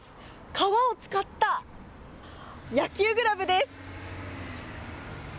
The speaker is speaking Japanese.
革を使った野球グラブです。